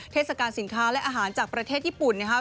เทศกาลสินค้าและอาหารจากประเทศญี่ปุ่นนะครับ